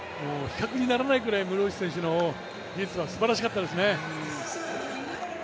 比較にならないぐらい室伏選手の技術はすばらしかったですね。